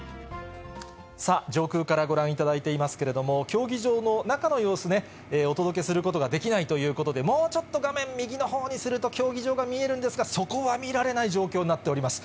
さあ、上空からご覧いただいていますけれども、競技場の中の様子ね、お届けすることができないということで、もうちょっと画面右のほうにすると、競技場が見えるんですが、そこは見られない状況になっております。